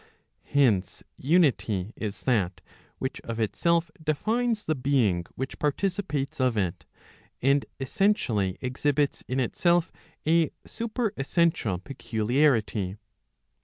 Hence, unity is that which of itself defines the being which participates of it, and essentially exhibits in itself a super essential peculiarity.